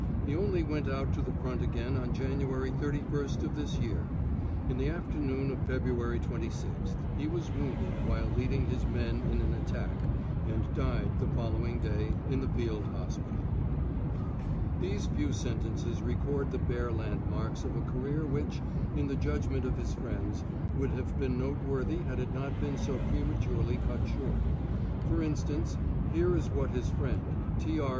He only went out to the front again on January 31st of this year. In the afternoon of February 26th he was wounded while leading his men in an attack and died the following day in the field hospital. These few sentences record the bare landmarks of a career which, in the judgment of his friends, would have been noteworthy had it not been so prematurely cut short. For instance, here is what his friend, T. R.